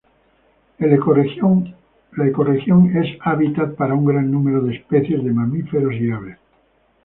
La ecorregión es hábitat para un gran número de especies de mamíferos y aves.